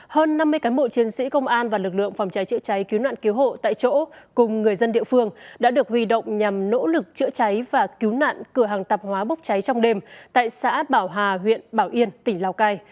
hơn năm mươi cán bộ chiến sĩ công an và lực lượng phòng cháy chữa cháy cứu nạn cứu hộ tại chỗ cùng người dân địa phương đã được huy động nhằm nỗ lực chữa cháy và cứu nạn cửa hàng tạp hóa bốc cháy trong đêm tại xã bảo hà huyện bảo yên tỉnh lào cai